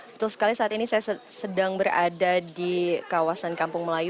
betul sekali saat ini saya sedang berada di kawasan kampung melayu